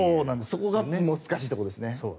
そこが難しいところですね。